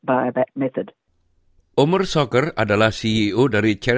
pakaian yang tidak diinginkan adalah pakaian yang tidak diinginkan